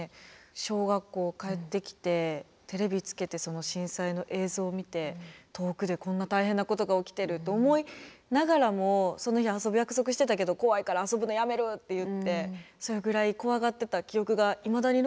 小学校帰ってきてテレビつけてその震災の映像見て遠くでこんな大変なことが起きてると思いながらもその日遊ぶ約束してたけど怖いから遊ぶのやめるっていってそれぐらい怖がってた記憶がいまだに残ってるんですけど。